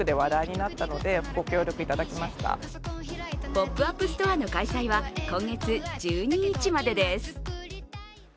ポップアップストアの開催は今月１２日までです。